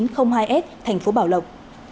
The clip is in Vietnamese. công an tỉnh quảng nam